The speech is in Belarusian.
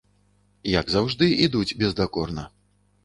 Як заўжды, ідуць бездакорна.